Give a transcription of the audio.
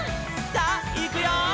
「さあいくよー！」